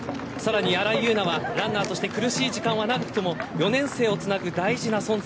荒井優奈はランナーとして苦しい時間はなくとも４年生をつなぐ大事な存在。